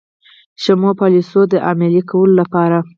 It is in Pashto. شومو پالیسیو د عملي کولو لپاره.